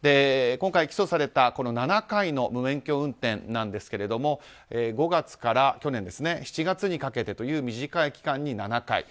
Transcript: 今回、起訴された７回の無免許運転なんですけれども去年５月から７月にかけてという短い期間に７回。